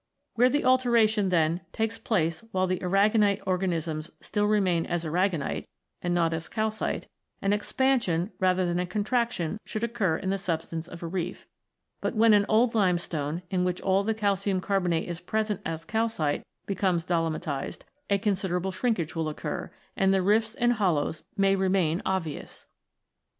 Where the altera tion, then, takes place while the aragonite organisms still remain as aragonite, and not as calcite, an expan sion rather than a contraction should occur in the substance of a reef; but when an old limestone, in which all the calcium carbonate is present as calcite, becomes dolomitised, a considerable shrinkage will occur, and rifts and hollows may remain obvious.